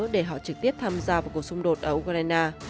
để họ trực tiếp tham gia vào cuộc xung đột ở ukraine